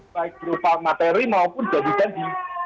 baik berupa materi maupun jadikan di